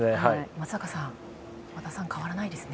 松坂さん和田さん、変わらないですよね。